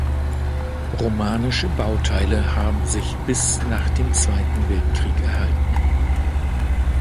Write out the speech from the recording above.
Romanische Bauteile haben sich bis nach dem Zweiten Weltkrieg erhalten.